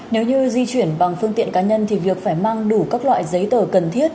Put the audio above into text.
nếu như di chuyển bằng phương tiện cá nhân thì việc phải mang đủ các loại giấy tờ cần thiết